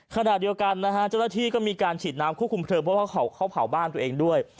ขณะเดียวกันนะฮะเจ้าหน้าที่ก็มีการฉีดน้ำควบคุมเพลิงเพราะว่าเขาเผาบ้านตัวเองด้วย